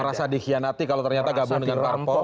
merasa dikhianati kalau ternyata gabung dengan parpol